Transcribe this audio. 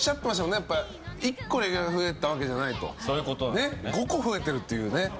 やっぱ１個レギュラーが増えたわけじゃないと５個増えているというね。